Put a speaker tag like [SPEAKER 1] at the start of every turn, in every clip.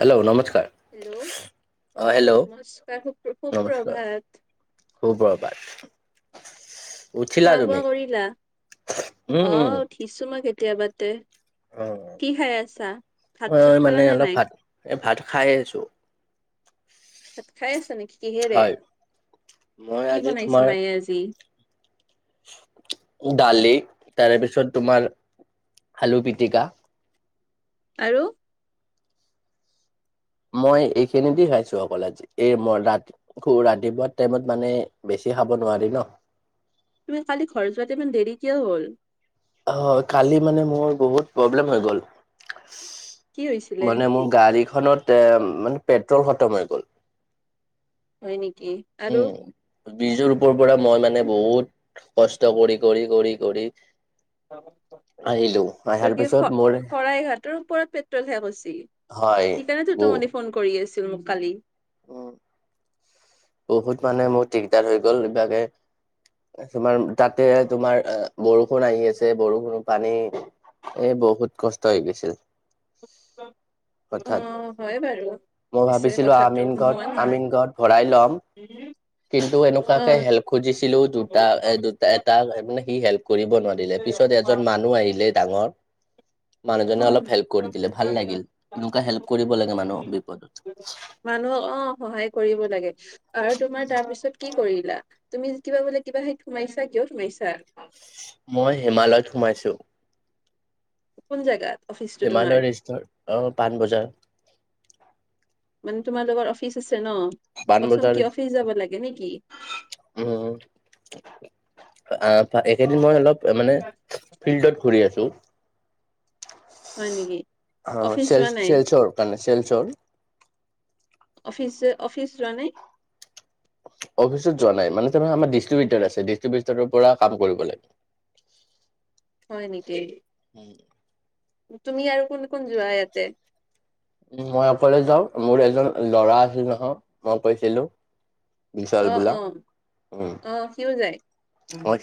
[SPEAKER 1] Hello নমস্কাৰ।
[SPEAKER 2] Hello অ' নমস্কাৰ,
[SPEAKER 1] নমস্কাৰ
[SPEAKER 2] সুপ্ৰভাত।
[SPEAKER 1] সুপ্ৰভাত। উঠিলা
[SPEAKER 2] খোৱা বোৱা
[SPEAKER 1] তুমি? উম, উম।
[SPEAKER 2] দিছোঁ মই কেতিয়াবাতে।
[SPEAKER 1] অ
[SPEAKER 2] কি খাই আছা, ভাত চাত খালানে নাই?
[SPEAKER 1] এ, ভাত খাই আছোঁ।
[SPEAKER 2] ভাত খাই আছা নেকি কিহেৰে?
[SPEAKER 1] হয় মই
[SPEAKER 2] কি
[SPEAKER 1] আজি তোমাৰ
[SPEAKER 2] বনাইছে মায়ে আজি?
[SPEAKER 1] দালি তাৰে পিছত তোমাৰ আলু পিটিকা।
[SPEAKER 2] আৰু?
[SPEAKER 1] মই এইখিনি দি খাইছোঁ অকললে। আজি এই মই ৰাত আকৌ ৰাতিপুৱা টাইমত মানে বেছি খাব নোৱাৰি ন'।
[SPEAKER 2] তুমি কালি ঘৰ যোৱাতে ইমান দেৰি কিয় হ'ল?
[SPEAKER 1] অ' কালি মানে মোৰ বহুত প্ৰব্লেম হৈ গ'ল।
[SPEAKER 2] কি হৈছিলে
[SPEAKER 1] মানে মোৰ গাড়ীখনত এ, মানে পেট্ৰল খতম হৈ গ'ল।
[SPEAKER 2] হয় নেকি আৰু?
[SPEAKER 1] ব্ৰীজৰ ওপৰ পৰা মই মানে বহুত কষ্ট কৰি কৰি কৰি কৰি আহিলো
[SPEAKER 2] ত'
[SPEAKER 1] আহাৰ
[SPEAKER 2] কি
[SPEAKER 1] পিছত মোৰ
[SPEAKER 2] শ-শৰাইঘাটৰ ওপৰত পেট টোল শেষ হৈছিল,
[SPEAKER 1] হয়
[SPEAKER 2] সেইকাৰণে
[SPEAKER 1] ব
[SPEAKER 2] তোৰ তো মানে ফোন কৰি আছিল মোক কালি। [inaudible]
[SPEAKER 1] বহুত মানে মোৰ দিগদাৰ হৈ গ'ল। কিবাকে তোমাৰ তাতে তোমাৰ বৰষুণ আহি আছে বৰষুণ পানী এ, বহুত কষ্ট হৈ গৈছিল। হঠাৎ
[SPEAKER 2] অ' হয় বাৰু
[SPEAKER 1] মই
[SPEAKER 2] পিছে
[SPEAKER 1] ভাবিছিলো
[SPEAKER 2] কথাটো।
[SPEAKER 1] আমিন
[SPEAKER 2] নোহোৱা নহয়
[SPEAKER 1] আমিন গাঁৱত ভৰাই ল'ম। কিন্তু এনেকুৱাকে হেল্প খুজিছিলোঁ দুটা এ, দু এটা মানে সি হেল্প কৰিব নোৱাৰিলে পিছত এজন মানুহ আহিলে ডাঙৰ। মানুহজনে
[SPEAKER 2] অ
[SPEAKER 1] অলপ হেল্প কৰি দিলে ভাল লাগিল, এনেকুৱা হেল্প কৰিব লাগে মানুহক বিপদত।
[SPEAKER 2] মানুহক অ' সহায় কৰিব লাগে। আৰু তোমাৰ তাৰ পিছত কি কৰিলা? তুমি কিবা বোলে কিবা হেইত সোমাইছা, কিহত সোমাইছা?
[SPEAKER 1] মই হিমালয়ত সোমাইছোঁ।
[SPEAKER 2] কোন জেগাত? অফিচটো তোমাৰ
[SPEAKER 1] হিমালয়ৰ ষ্ট অ পাণবজাৰ
[SPEAKER 2] মানে তোমালোকৰ অফিচ আছে ন প্ৰথম
[SPEAKER 1] পাণবজাৰ
[SPEAKER 2] কি অফিচ যাব লাগে। নেকি
[SPEAKER 1] উম আহ এইকেইদিন মই অলপ মানে ফিল্ডত ঘূৰি আছো।
[SPEAKER 2] হয় নেকি
[SPEAKER 1] অ
[SPEAKER 2] অফিচ যোৱা
[SPEAKER 1] চেল
[SPEAKER 2] নাই
[SPEAKER 1] চেলচৰ কাৰনে চেলচৰ
[SPEAKER 2] অফিচ অফিচ যোৱা নাই।
[SPEAKER 1] অফিচত যোৱা নাই মানে ত আমাৰ ডিষ্টিবিওতাৰ আছে ডিষ্ট্ৰিবটাৰৰ পৰা কাম কৰিব লাগে।
[SPEAKER 2] হয় নেকি।
[SPEAKER 1] উম
[SPEAKER 2] তুমি আৰু কোন কোন যোৱা ইয়াতে-
[SPEAKER 1] উ মই অকলে যাও মোৰ এজন লৰা আছিল নহয় মই কৈছিলো- বিশাল
[SPEAKER 2] অ অ
[SPEAKER 1] বোলা- উম
[SPEAKER 2] অ সিউ যায়-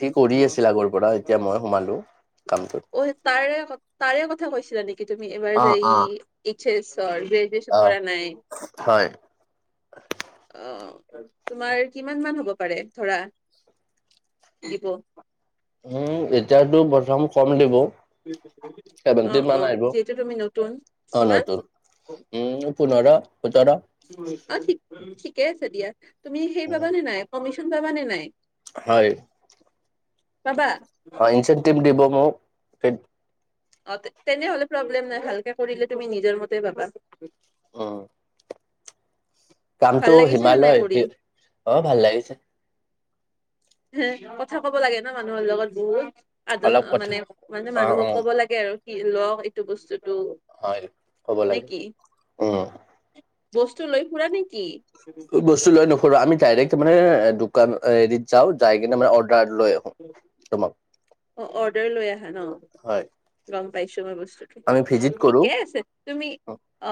[SPEAKER 1] সি কৰি আছিল আগৰ পৰা এতিয়া মই সোমালো কামটোত
[SPEAKER 2] তাৰে ক- তাৰে কথা কৈছিলা নেকি- কি তুমি এবাৰ
[SPEAKER 1] অ
[SPEAKER 2] যাই
[SPEAKER 1] অ
[SPEAKER 2] এছ এ চৰ গ্ৰেজচন
[SPEAKER 1] অ
[SPEAKER 2] কৰা নাই-
[SPEAKER 1] হয়
[SPEAKER 2] অ- তোমাৰ কিমান মান হ'ব পাৰে ধৰা দ্বীপ
[SPEAKER 1] উম এতিয়াতো প্ৰথম কম দিব-
[SPEAKER 2] অ
[SPEAKER 1] চেভেনটিন মান
[SPEAKER 2] অ
[SPEAKER 1] আহিব
[SPEAKER 2] যিহেতু তুমি নতুন
[SPEAKER 1] অ'
[SPEAKER 2] কিমান-
[SPEAKER 1] নতুন। উম পোন্ধৰ সোতৰ
[SPEAKER 2] অ ঠিকে আছে দিয়া তুমি সেই
[SPEAKER 1] উম,
[SPEAKER 2] পাবা নে নাই কমিশন পাবা নে নাই-
[SPEAKER 1] হয়-
[SPEAKER 2] পাবা
[SPEAKER 1] ইনচেণ্টিভ ডিব মোক
[SPEAKER 2] অ তেনেহলে প্ৰব্লেম নাই ভালকে কৰিলে তুমি নিজৰ মতে পাবা-
[SPEAKER 1] অ-
[SPEAKER 2] ভাল
[SPEAKER 1] কামটো
[SPEAKER 2] লাগিছে নে নাই
[SPEAKER 1] হিমালয়
[SPEAKER 2] কৰি
[SPEAKER 1] অ ভাল লাগিছে-
[SPEAKER 2] হ কথা ক'ব লাগে ন মানুহৰ লগত বহুত আদন
[SPEAKER 1] অলপ কথা
[SPEAKER 2] মানে মানে
[SPEAKER 1] অ'
[SPEAKER 2] মানুহক
[SPEAKER 1] অ'
[SPEAKER 2] কব লাগে- কি আৰু কি লও এইটো বস্তুতটো-
[SPEAKER 1] হয় ক'ব লাগে উম
[SPEAKER 2] বস্তু লৈ ফুৰা নেকি-
[SPEAKER 1] বস্তু লৈ নুফুৰোঁ আমি ডাইৰেক্ট মানে দোকান হেৰিত যাও- যাই কিনে মানে অৰ্ডাৰ লৈ আহো তোমাক-
[SPEAKER 2] অ অৰ্ডাৰ লৈ আহা ন-
[SPEAKER 1] হয়
[SPEAKER 2] গম পাইছোঁ ময় বস্তুটো
[SPEAKER 1] আমি ভিজিট কৰো
[SPEAKER 2] ঠিকে আছে তুমি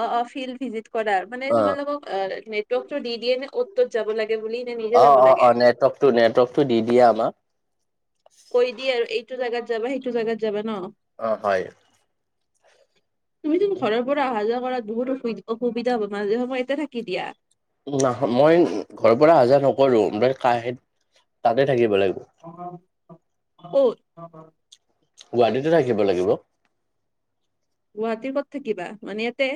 [SPEAKER 2] অ অ ফিল্ড ভিজিট কৰা- মানে
[SPEAKER 1] অ'
[SPEAKER 2] তোমালোকক অ নেটৱৰ্ক টো দি দিয়ে নে অ'ত ত'ত যাব লাগে বুলি- নে নিজে
[SPEAKER 1] অ
[SPEAKER 2] যাব
[SPEAKER 1] অ
[SPEAKER 2] লাগে
[SPEAKER 1] অ নেটৱৰ্ক টো নেটৱৰ্ক টো দি দিয়ে আমাক-
[SPEAKER 2] কৈ দি আৰু এইটো জাগাত যাবা সেইটো জাগাত যাবা ন-
[SPEAKER 1] অ হয়-
[SPEAKER 2] তুমি যোন ঘৰৰ পৰা অহা যোৱা কৰাত বহুত অসুবিধা হব মাজে সময় ইয়াতে থাকি দিয়া-
[SPEAKER 1] নয় মই ঘৰৰ পৰা আহাঁ যোৱা নকৰো ব কহত তাতে থাকিব লাগিব-
[SPEAKER 2] কত
[SPEAKER 1] ৱাৰডীতে থাকিব লাগিব?
[SPEAKER 2] গুৱাহাটীৰ ক'ত থাকিবা, মানে ইয়াতে?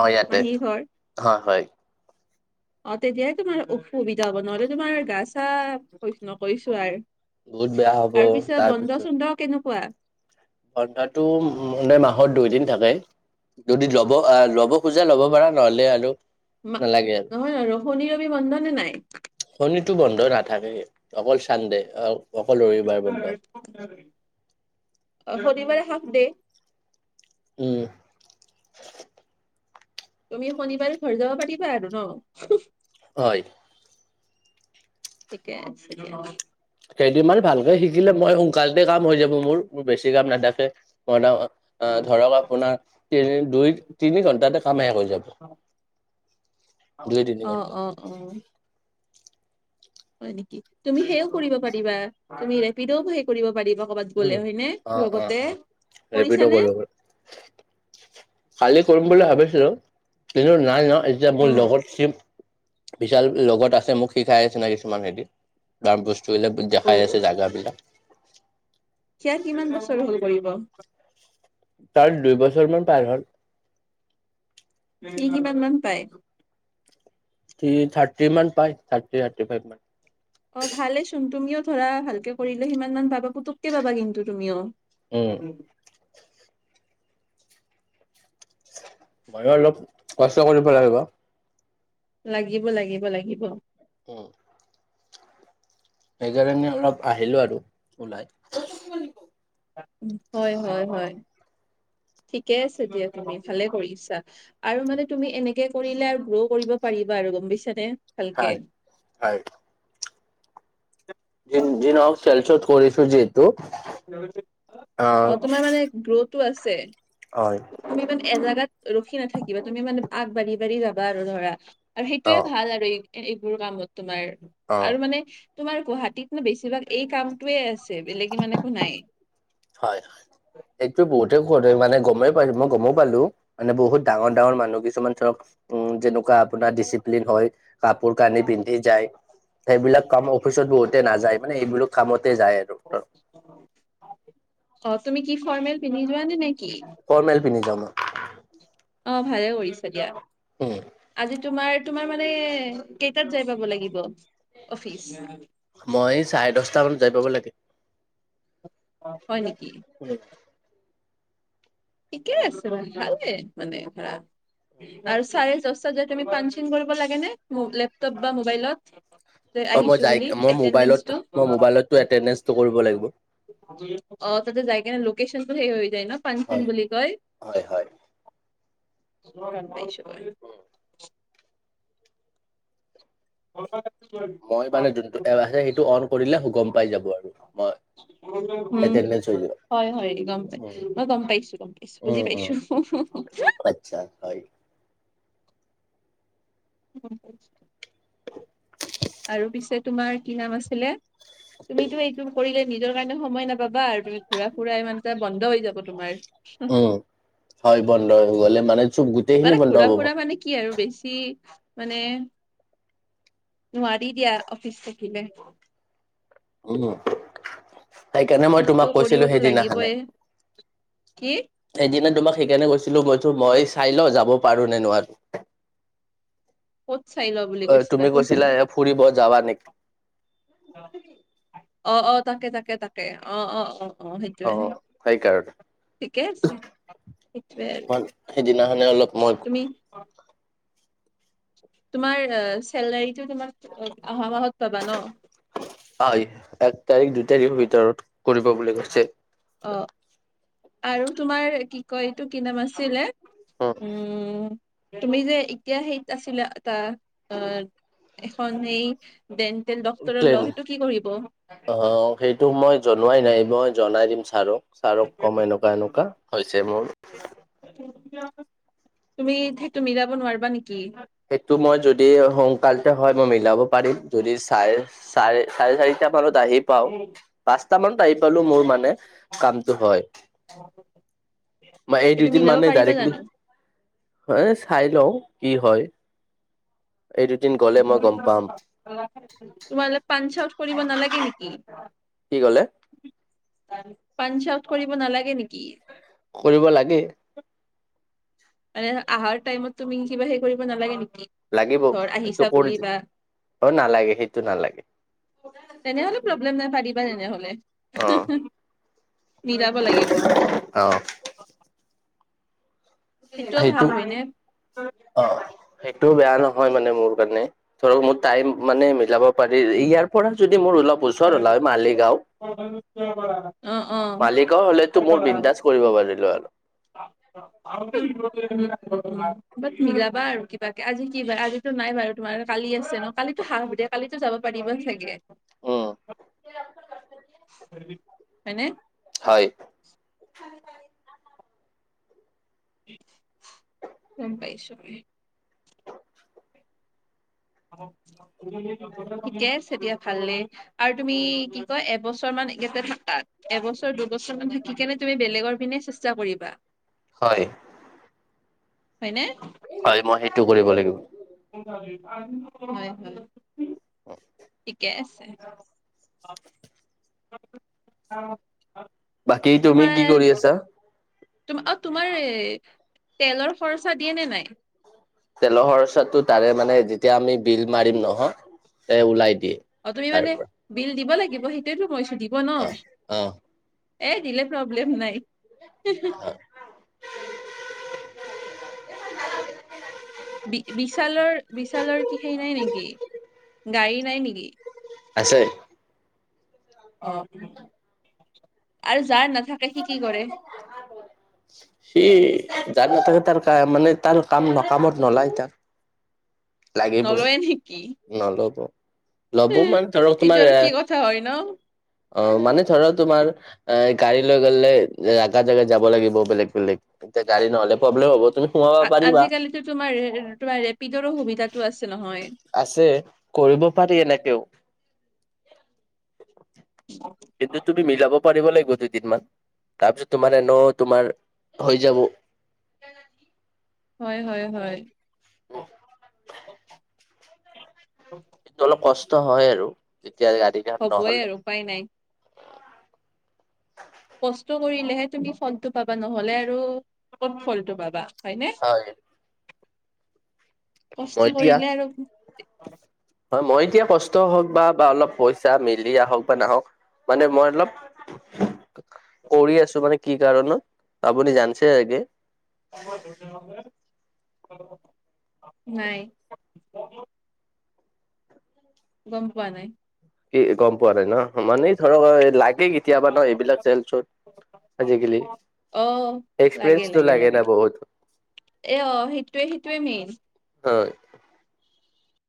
[SPEAKER 1] অ', ইয়াতে
[SPEAKER 2] মাহী ঘৰ
[SPEAKER 1] হয়, হয়।
[SPEAKER 2] অ', তেতিয়াহে তোমাৰ অসুবিধা হ'ব, নহ'লে তোমাৰ গা-চা নকৈছোঁ আৰু।
[SPEAKER 1] বহুত বেয়া হ'ব
[SPEAKER 2] আৰ পিছে বন্দ-চন্দ কেনেকুৱা?
[SPEAKER 1] ঘন্ধাটো উম, এনে মাহৰ দুই দিন থাকে। যদি [unintelligible] ল'ব খোজা ল'ব পাৰা নহ'লে আৰু
[SPEAKER 2] [inaudible] নহয় আৰু শনি-ৰবি বন্ধ নে নাই?
[SPEAKER 1] শনিতো বন্ধ নাথাকে, অকল চানডে অ-অকল ৰবিবাৰ বন্ধ।
[SPEAKER 2] [unintelligible] শনিবাৰে হাফ ডে?
[SPEAKER 1] উম।
[SPEAKER 2] তুমি এই শনিবাৰে ঘৰ যাব পাৰিবা আৰু ন?
[SPEAKER 1] হয়।
[SPEAKER 2] ঠিকে আছে [inaudible]
[SPEAKER 1] কেইদিনমান ভালকে শিকিলে মই সোনকাল ততে কাম হৈ যাব মোৰ, মোৰ বেছি কাম নাথাকে, [unintelligible] ধৰক আপোনাৰ তিনিৰ দুই-তিনি ঘন্টাতে কাম শেষ হয় যাব দুই-তিনি
[SPEAKER 2] অ', অ', অ'। হয় নেকি, তুমি সেও কৰিব পাৰিবা তুমি [unintelligible] কৰিব পাৰিবা কৰ'বাত
[SPEAKER 1] উম
[SPEAKER 2] গ'লে হয়নে
[SPEAKER 1] অ অ
[SPEAKER 2] লগতে
[SPEAKER 1] অ ৰেপিড'
[SPEAKER 2] কৰিছানে?
[SPEAKER 1] কৰিব পাৰ কালি কৰিম বুলি ভাবিছিলোঁ, কিন্তু নাই ন এতিয়া মোৰ
[SPEAKER 2] উম,
[SPEAKER 1] লগত চিম। বিশাল লগত আছে, মোক শিকাই আছে ন কিছুমান হেৰিত [unintelligible] বস্তুবিলাক
[SPEAKER 2] অ',
[SPEAKER 1] দেখাই আছে জাগা বিলাক।
[SPEAKER 2] সেয়া কিমান বছৰ হ'ল পৰিব?
[SPEAKER 1] তাৰ দুই বছৰ মান পাৰ হ'ল।
[SPEAKER 2] সি কিমান মান পায়?
[SPEAKER 1] সি থাৰ্টি মান পায় থাৰ্টি-থাৰ্টিফাইভ মান।
[SPEAKER 2] অ', ভালেচোন তুমিও ধৰা ভালকে কৰিলে সিমান মান পাবা, পুতুককে পাবা কিন্তু তুমিও।
[SPEAKER 1] উম। মইঅ অলপ কষ্ট কৰিব লাগিব।
[SPEAKER 2] লাগিব, লাগিব, লাগিব।
[SPEAKER 1] অ'। সেইকাৰণে অলপ আহিলোঁ আৰু ওলাই।
[SPEAKER 2] [unintelligible] হয়, হয়, হয়। ঠিকে আছে দিয়া তুমি ভালে কৰিছা আৰু মানে তুমি এনে [unintelligible] কৰিলে আৰু গ্ৰ' কৰিব পাৰিবা আৰু গম পাইছানে? ভালকে।
[SPEAKER 1] হয়, হয়। যি, যি নহওঁক চেলছত কৰিছো যিহেতু
[SPEAKER 2] [unintelligible]
[SPEAKER 1] আহ
[SPEAKER 2] অ', তোমাৰ মানে গ্ৰ'টো আছে?
[SPEAKER 1] হয়।
[SPEAKER 2] তুমি মানে এজাগাত ৰখি নাথাকিবা, তুমি মানে আগবাঢ়ি বাঢ়ি যাবা আৰু ধৰা আৰ
[SPEAKER 1] অ
[SPEAKER 2] সেইটোয়ে ভাল আৰু এই এইবোৰ কামত তোমাৰ
[SPEAKER 1] অ
[SPEAKER 2] আৰু মানে তোমাৰ গুৱাহাটীত নো বেছিভাগ এই কামটোৱে আছে, বেলেগ ইমান একো নাই।
[SPEAKER 1] হয়, এইটো বহুতে কৰে মানে গমে পাই, মই গম পালোঁ। মানে বহুত ডাঙৰ, ডাঙৰ মানুহ কিছুমান ধৰক যেনেকুৱা আপোনাৰ ডিচিপ্লিন হয় কাপোৰ কানি পিন্ধি যায় সেইবিলাক কাম অফিচত বহুতে নাযায় মানে এইবিলাক কামতে যায় আৰু
[SPEAKER 2] অ', তুমি কি ফৰ্মেল পিন্ধি যোৱানে নে কি
[SPEAKER 1] ফৰ্মেল পিন্ধি যাও মই।
[SPEAKER 2] অ', ভালে কৰিছে দিয়া
[SPEAKER 1] উম
[SPEAKER 2] আজি তোমাৰ, তোমাৰ মানে কেইটাত যাই পাব লাগিব অফিচ।
[SPEAKER 1] মই চাৰে দচটা মানত যাই পাব লাগে
[SPEAKER 2] অ', হয় নেকি
[SPEAKER 1] উম।
[SPEAKER 2] ঠিকে আছে বাৰু ভাল দে মানে ভাল আৰু চাৰে দচটাত তুমি পাণ চিন কৰিব লাগে নে লেপটপ বা মোবাইলত আহি
[SPEAKER 1] অ', মই
[SPEAKER 2] আহিছো
[SPEAKER 1] যাই
[SPEAKER 2] বুলি
[SPEAKER 1] মই মবাইলত,
[SPEAKER 2] এটেনডেঞ্চটো
[SPEAKER 1] মই মবাইলতো এটেডেনচটো কৰিব লাগিব
[SPEAKER 2] অ', তাতে যায় কিনে লোকেচনটো সেই হৈ যায় ন পানপুন
[SPEAKER 1] হয়
[SPEAKER 2] বুলি কয়
[SPEAKER 1] হয়, হয়।
[SPEAKER 2] গছ [unintelligible]
[SPEAKER 1] মই মানে যোনটো এপ আছে সেইটো অন কৰিলে গ'ম পাই যাব আৰু মই
[SPEAKER 2] উম।
[SPEAKER 1] এটেনডেঞ্চ হৈ যাব
[SPEAKER 2] হয়, হয় গম পাই
[SPEAKER 1] উম
[SPEAKER 2] মই গম পাইছোঁ বুজি
[SPEAKER 1] উম উম
[SPEAKER 2] পাইছোঁ।
[SPEAKER 1] আচ্ছা হয়।
[SPEAKER 2] আৰু পিছে তোমাৰ কি নাম আছিলে? তুমিতো এইটো কৰিলে নিজৰ কাৰণেও সময় নাপাবা আৰু তুমি ঘুৰা ফুৰা ইমান কে বন্ধ হৈ যাব তোমাৰ।
[SPEAKER 1] উম হয় বন্ধ হৈ গ'লে মানে চুব
[SPEAKER 2] মানে ঘুৰা ফুৰা মানে কি আৰু বেছি মানে নোৱাৰি দিয়া অফিচ থাকিলে।
[SPEAKER 1] উম, উম। সেইকাৰণে মই
[SPEAKER 2] কিন্তু
[SPEAKER 1] তোমাক কৈছিলোঁ
[SPEAKER 2] কৰিবতো
[SPEAKER 1] সেইদিনাখনে
[SPEAKER 2] লাগিবই কি
[SPEAKER 1] সেই দিনা তোমাক সেইকাৰণে কৈছিলোঁ মইতো মই চাই লওঁ যাব পাৰো নে নোৱাৰো।
[SPEAKER 2] ক'ত চাই লওঁ।
[SPEAKER 1] অ', তুমি কৈছিলা ফুৰিব যাবা নেকি
[SPEAKER 2] অ', অ', তাকে, তাকে, তাকে, অ', অ', অ'। সেইটোয়ে
[SPEAKER 1] অ', সেইকাৰণে।
[SPEAKER 2] ঠিকে আছে সেইটোয়ে আৰু
[SPEAKER 1] মই সেইদিনাখনে অলপ মই
[SPEAKER 2] [inaudible] তোমাৰ চেলাৰীটো তোমাক আহা মাহত পাবা ন।
[SPEAKER 1] হয় এক তাৰিখ দুই তাৰিখ ভিতৰত কৰিব বুলি কৈছে।
[SPEAKER 2] অ'। আৰু তোমাৰ কি কয় এইটো কি নাম আছিলে উম। তুমি যে এতিয়া সেইত আছিলা এটা অ', আ এখন সেই ডেণ্টেল ডক্টোৰৰ ল
[SPEAKER 1] প্লেন
[SPEAKER 2] সেইটো কি কৰিব।
[SPEAKER 1] অ সেইটো মই জনোৱাই নাই মই জনাই দিম ছাৰোক। ছাৰক ক'ম এনেকুৱা, এনেকুৱা হৈছে মোৰ।
[SPEAKER 2] তুমি সেটো মিলাব নোৱাৰিবা নেকি।
[SPEAKER 1] সেইটো মই যদি সোনকালতে হয় মই মিলাব পাৰিম যদি চাইচ চাৰে চাৰে চাৰিটা মানত আহিম পাও পাঁচটা মানত আহি পালো মোৰ মানে কামটো হয়
[SPEAKER 2] অ
[SPEAKER 1] মই এই দুদিন মানে ডাইৰেক্টলি হ চাই লওঁ কি হয় এই দুদিন গল
[SPEAKER 2] তোমালে পান চাউড কৰিব নালাগে নেকি
[SPEAKER 1] কি ক'লে
[SPEAKER 2] পান চাউট কৰিব নালাগে নেকি
[SPEAKER 1] কৰিব লাগে
[SPEAKER 2] মানে আহাৰ টাইমত তুমি কিবা হেৰি কৰিব নালাগে নেকি
[SPEAKER 1] লাগিব
[SPEAKER 2] ধৰ আহিছা
[SPEAKER 1] সেইটো কৰি
[SPEAKER 2] বুলি
[SPEAKER 1] দে
[SPEAKER 2] বা
[SPEAKER 1] অ নালাগে সেইটো নালাগে
[SPEAKER 2] তেনেহলে প্ৰব্লেম নাই পাৰিবা তেনেহলে
[SPEAKER 1] অ
[SPEAKER 2] হে হে মিলাব লাগিব
[SPEAKER 1] অ
[SPEAKER 2] সেইটোও ভাল
[SPEAKER 1] সেইটো
[SPEAKER 2] হয়নে
[SPEAKER 1] অ সেইটো বেয়া নহয় মানে মোৰ কাৰণে ধৰক মোৰ টাইম মানে মিলাব পাৰি ইয়াৰ পৰা যদি মোৰ অলপ ওচৰ
[SPEAKER 2] [unintelligible]
[SPEAKER 1] ওলাই মালিগাঁও
[SPEAKER 2] অ অ [unintelligible]
[SPEAKER 1] মালিকৰ হলেতো মোৰ বিন্দাজ কৰিব পাৰিলো আৰু
[SPEAKER 2] [unintelligible] বাত মিলাবা আৰু কিবাকে আজি কি বাৰ আজি তো নাই বাৰু তোমাৰ কালি আছে ন কালিতো সা বিদায় কালিতো যাব পাৰিবা চাগে
[SPEAKER 1] উম
[SPEAKER 2] হয়নে
[SPEAKER 1] হয় [unintelligible]
[SPEAKER 2] গম পাইছো ঠিকে আছে দিয়া ভালে আৰু তুমি কি এবছৰ মান ইয়াতে থাকা এবছৰ দুবছৰ মান থাকি কেনে তুমি বেলেগৰ পিনে চেষ্টা কৰিবা
[SPEAKER 1] হয়
[SPEAKER 2] হয়নে
[SPEAKER 1] হয় মই সেইটো কৰিব লাগিব
[SPEAKER 2] হয় হয় ঠিকে আছে [inaudible]
[SPEAKER 1] বাকী তুমি কি কৰি আছা
[SPEAKER 2] তোমাৰ অ তোমাৰ তেলৰ খৰচা দিয়ে নে নাই
[SPEAKER 1] তেলৰ খৰচাটো তাৰে মানে যেতিয়া আমি বিল মাৰিম নহয় ওলাই দিয়ে
[SPEAKER 2] অ তুমি
[SPEAKER 1] তাৰ
[SPEAKER 2] মানে
[SPEAKER 1] পৰা
[SPEAKER 2] বিল দিব লাগিব সেইটয়েতো কইছো দিব ন
[SPEAKER 1] অ অ
[SPEAKER 2] এ দিলে প্ৰব্লেম নাই হি হি বি বিশালৰ বিশালৰ কি হেৰি নাই নেকি গাড়ী নাই নেকি
[SPEAKER 1] আছে
[SPEAKER 2] অ' আৰু যাৰ নাথাকে সি কি কৰে
[SPEAKER 1] [unintelligible] সি যান নাথাকে তাৰ কা মানে তাৰ কাম না কামত নোলায় তাক
[SPEAKER 2] নলয়ে নেকি
[SPEAKER 1] নল'ব ল'ব মানে ধৰক
[SPEAKER 2] এইটো
[SPEAKER 1] তোমাৰ
[SPEAKER 2] আৰু
[SPEAKER 1] এ
[SPEAKER 2] কি কথা হয় ন
[SPEAKER 1] অ' মানে ধৰা তোমাৰ এ গাড়ী লৈ গ'লে, আগৰ জেগাত যাব লাগিব বেলেগ বেলেগ এতিয়া গাড়ী নহ'লে প্ৰব্লেম হ'বটো।
[SPEAKER 2] আজিকালিতো তোমাৰ, তোমাৰ ৰেপিডৰো সুবিধাটো আছে নহয়
[SPEAKER 1] আছে, কৰিব পাৰি এনেকেও। কিন্তু তুমি মিলাব পাৰিব লাগিব দুদিনমান, তাৰপিছত তোমাৰ এনেও তোমাৰ হৈ যাব।
[SPEAKER 2] হয় হয় হয়।
[SPEAKER 1] উম্। অলপ কষ্ট হয় আৰু তেতিয়া গাড়ী
[SPEAKER 2] হ'বই আৰু উপায় নাই। কষ্ট কৰিলেহে তুমি ফলটো পাবা, নহ'লে আৰু ক'ত ফলটো পাবা। হয়নে,
[SPEAKER 1] হয় মই
[SPEAKER 2] কষ্ট
[SPEAKER 1] এতিয়া
[SPEAKER 2] কৰিলে আৰু
[SPEAKER 1] হয়, মই এতিয়া কষ্ট হওঁক বা, বা অলপ পইচা মিলি আহক বা নাহক মানে মই অলপ
[SPEAKER 2] [inaudible]
[SPEAKER 1] কৰি আছোঁ, মানে কি কাৰণত আপুনি জানিছে ছাগে।
[SPEAKER 2] নাই। গম পোৱা নাই।
[SPEAKER 1] কি গম পোৱা নাই ন! মানে ধৰক লাগে কেতিয়াবা ন এইবিলাক টেনচন। আজিকালি,
[SPEAKER 2] অ
[SPEAKER 1] এক্সপ্ৰেন্ঞ্চটো লাগে ন বহুত।
[SPEAKER 2] এ অ', সেইটোৱে মেইন।
[SPEAKER 1] হয়।